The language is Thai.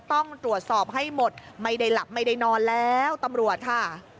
ต้องตรวจสอบให้หมดไม่ได้หลับไม่ได้นอนแล้วตำรวจค่ะ